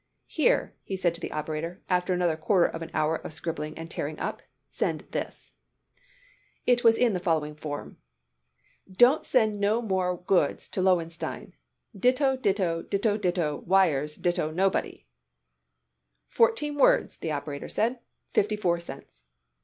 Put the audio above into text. "Here," he said to the operator after another quarter of an hour of scribbling and tearing up, "send this." It was in the following form: Don't send no more goods to Lowenstein """" wires " nobody "Fourteen words," the operator said. "Fifty four cents."